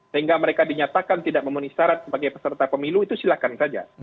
sehingga mereka dinyatakan tidak memenuhi syarat sebagai peserta pemilu itu silahkan saja